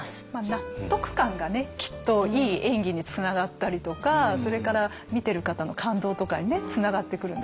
納得感がねきっといい演技につながったりとかそれから見てる方の感動とかにつながってくるんですよね。